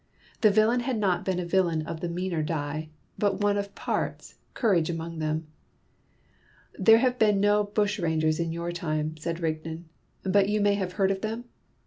The villain had not been a villain of the meaner dye, but one of parts, courage among them. "There have been no bushrangers in your time," said Rigden; "but you may have heard of them?"